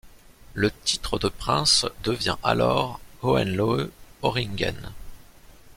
Le titre de prince devient alors Hohenlohe-Öhringen.